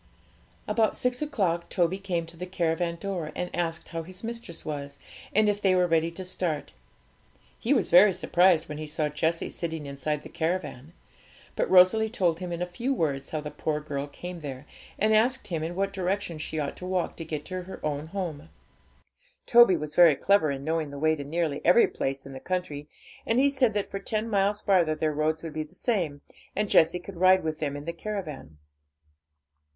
About six o'clock Toby came to the caravan door, and asked how his mistress was, and if they were ready to start. He was very surprised when he saw Jessie sitting inside the caravan. But Rosalie told him in a few words how the poor girl came there, and asked him in what direction she ought to walk to get to her own home. Toby was very clever in knowing the way to nearly every place in the country, and he said that for ten miles farther their roads would be the same, and Jessie could ride with them in the caravan.